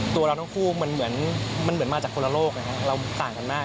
ตัวเราทั้งคู่มันเหมือนมาจากคนละโลกเราต่างกันมาก